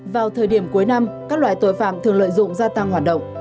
vào thời điểm cuối năm các loại tội phạm thường lợi dụng gia tăng hoạt động